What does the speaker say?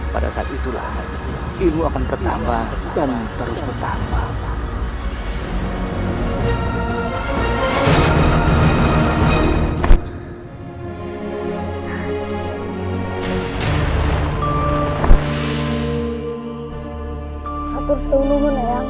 pada saat itulah ibu akan bertambah dan terus bertambah